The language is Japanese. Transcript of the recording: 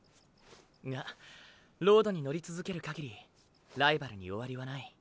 がロードに乗り続けるかぎりライバルに終わりはない。